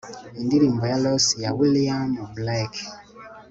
indirimbo ya los ya william blake